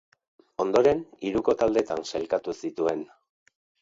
Ondoren, hiruko taldetan sailkatu zituen.